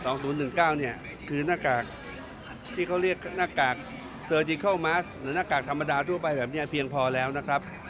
นักกากครอบครัวหรือนักกากธรรมานทั่วไปแบบนี้เพียงพอแล้วนะครับ